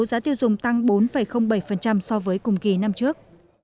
giá tiêu dùng tăng bốn bảy so với cùng kỳ năm trước